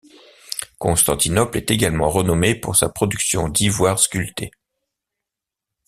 Constantinople est également renommée pour sa production d'ivoires sculptés.